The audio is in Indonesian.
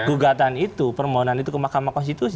gugatan itu permohonan itu ke mahkamah konstitusi